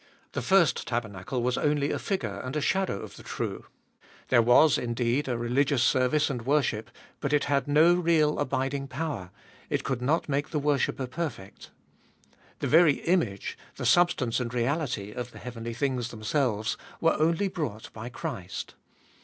The first tabernacle was only a figure and a shadow of the true. There was, indeed, a religious service and worship, but it had no real abiding power ; it could not make the worshipper perfect. The very image, the substance and reality, of the heavenly things themselves, were only brought by Christ.